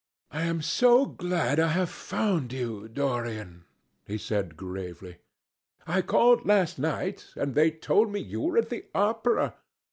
"I am so glad I have found you, Dorian," he said gravely. "I called last night, and they told me you were at the opera.